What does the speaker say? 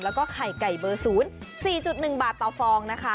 แล้วก็ไข่ไก่เบอร์๐๔๑บาทต่อฟองนะคะ